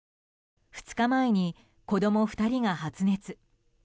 ２日前に子供２人が発熱。